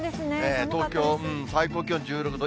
東京、最高気温１６度。